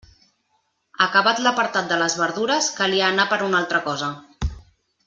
Acabat l'apartat de les verdures calia anar per una altra cosa.